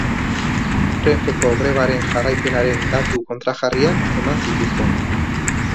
Renfeko grebaren jarraipenaren datu kontrajarriak eman zituzten.